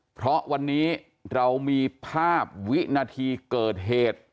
เพราะวันนี้เรามีภาพวินาทีเกิดเหตุ